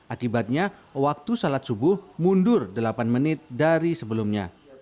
akibatnya waktu salat subuh mundur delapan menit dari sebelumnya